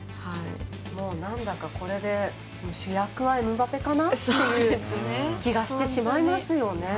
なんだかこれで主役はエムバペかなっていう気がしてしまいますよね。